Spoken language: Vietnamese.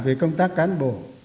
về công tác cán bộ